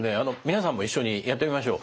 皆さんも一緒にやってみましょう。